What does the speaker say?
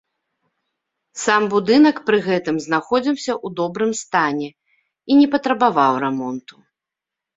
Сам будынак пры гэтым знаходзіўся ў добрым стане і не патрабаваў рамонту.